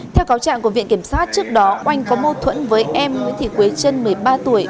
theo cáo trạng của viện kiểm sát trước đó oanh có mâu thuẫn với em nguyễn thị quế trân một mươi ba tuổi